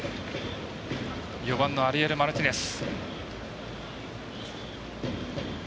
４番のアリエル・マルティネス。